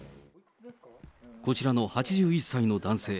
こちらの８１歳の男性。